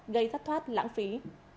gây thất thoát lãng phí